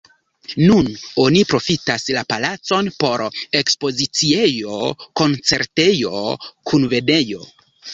Nun oni profitas la palacon por ekspoziciejo, koncertejo, kunvenejo.